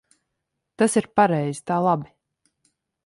Tas ir pareizi. Tā labi.